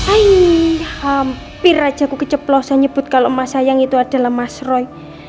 aih hampir aja aku keceplosan nyebut kalo mas sayang itu adalah mas roy